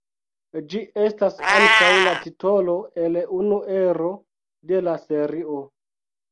Ĝi estas ankaŭ la titolo el unu ero de la serio.